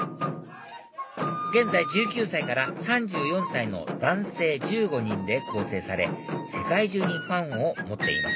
現在１９歳から３４歳の男性１５人で構成され世界中にファンを持っています